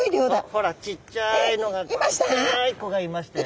ほらちっちゃいのがちっちゃい子がいましたよ。